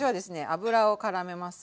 油をからめます。